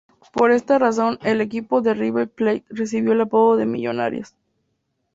Por esta razón, el equipo de River Plate recibió el apodo de Millonarios.